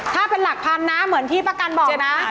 ถ้าเป็นหลักพันนะเหมือนที่ประกันบอกเลยนะ